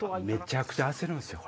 めちゃくちゃやで。